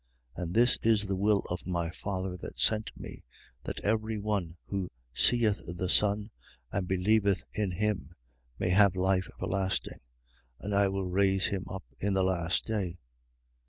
6:40. And this is the will of my Father that sent me: that every one who seeth the Son and believeth in him may have life everlasting. And I will raise him up in the last day.